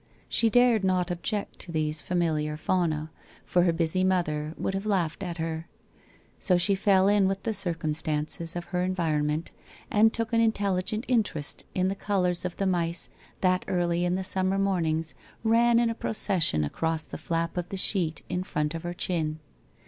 She dared not object to these familiar fauna, for her busy mother would have laughed at her. So she fell in with the circumstances of her environment and took an intelligent interest in the colours of the mice that early in the summer mornings ran in a procession across the flap of the sheet in front of her chin.